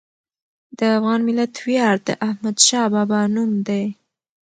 د افغان ملت ویاړ د احمدشاه بابا نوم دی.